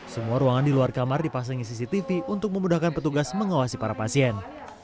semua ruangan di luar kamar dipasangi cctv untuk memudahkan petugas mengawasi para pasien